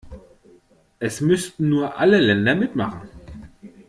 Es müssten nur alle Länder mitmachen.